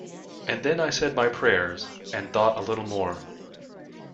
And then I said my prayers and thought a little more.